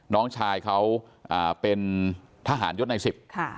น้องชายเขาเป็นทหารยศในสิบค่ะ